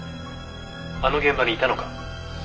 「あの現場にいたのか？」